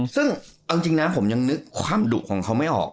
ซึ่งเอาจริงนะผมยังนึกความดุของเขาไม่ออก